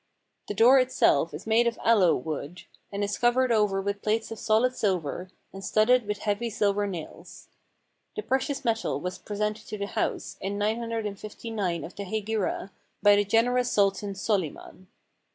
The door itself is made of aloe wood, and is covered over with plates of solid silver, and studded with heavy silver nails. The precious metal was pre sented to the house, in 959 of the Hegira, by the gen erous Sultan Solyman.